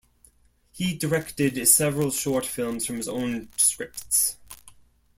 He directed several short films from his own scripts.